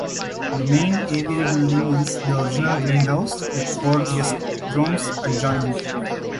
The main Aviary building is the original greenhouse, with four guestrooms adjoining.